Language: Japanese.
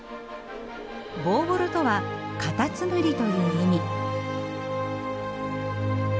ボーヴォロとはカタツムリという意味。